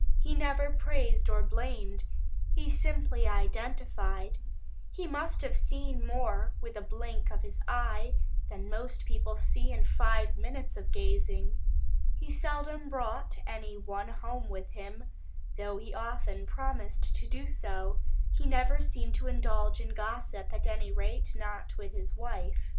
He never praised or blamed, he simply identified. He must have seen more with a blink of his eye, than most people see in five minutes of gazing. He seldom brought any one home with him, though he often promised to do so; he never seemed to indulge in gossip, at any rate not with his wife.